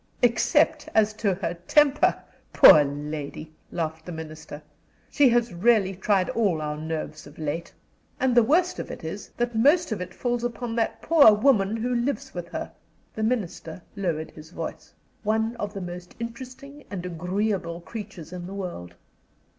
"Except as to her temper, poor lady!" laughed the Minister. "She has really tried all our nerves of late. And the worst of it is that most of it falls upon that poor woman who lives with her" the Minister lowered his voice "one of the most interesting and agreeable creatures in the world."